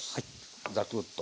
ザクッと。